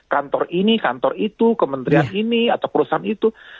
kantor ini kantor itu kementerian ini atau perusahaan itu